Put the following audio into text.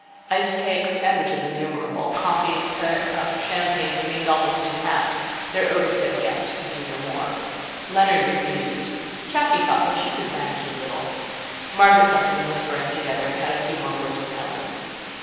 Iced cakes, sandwiches innumerable, coffee, claret cup, champagne, remained almost intact: their overfed guests could do no more. Leonard refused. Jacky thought she could manage a little. Margaret left them whispering together and had a few more words with Helen.